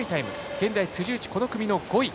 現在、辻内この組の５位。